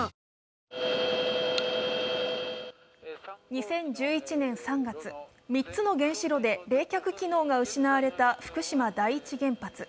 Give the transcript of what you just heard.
２０１１年３月、３つの原子炉で冷却機能が失われた福島第一原発。